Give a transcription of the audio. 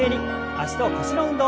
脚と腰の運動。